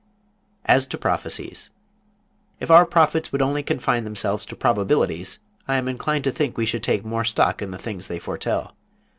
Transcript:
AS TO PROPHECIES If our Prophets would only confine themselves to probabilities I am inclined to think we should take more stock in the things they foretell.